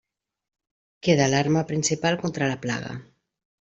Queda l'arma principal contra la plaga.